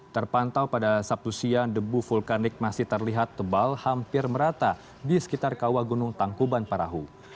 terpantau pada sabtu siang debu vulkanik masih terlihat tebal hampir merata di sekitar kawah gunung tangkuban parahu